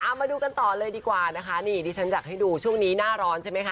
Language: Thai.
เอามาดูกันต่อเลยดีกว่านะคะนี่ที่ฉันอยากให้ดูช่วงนี้หน้าร้อนใช่ไหมคะ